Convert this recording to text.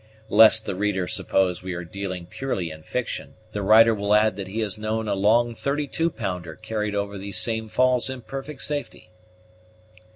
(1) (1) Lest the reader suppose we are dealing purely in fiction, the writer will add that he has known a long thirty two pounder carried over these same falls in perfect safety.